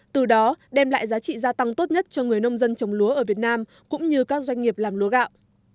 từ đó đem lại giá trị gia tăng tốt nhất cho người nông dân trồng lúa ở việt nam cũng như các doanh nghiệp làm lúa gạo